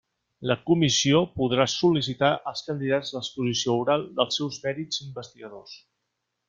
La Comissió podrà sol·licitar als candidats l'exposició oral dels seus mèrits investigadors.